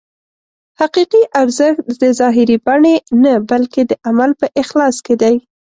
حقیقي ارزښت د ظاهري بڼې نه بلکې د عمل په اخلاص کې دی.